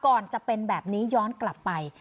ก่อนจะเป็นแบบนี้ย้อนกลับไป